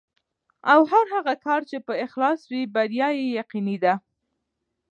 او هر هغه کار چې په اخلاص وي، بریا یې یقیني ده.